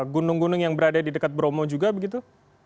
gunung gunung yang berada di dekat bromo juga begitu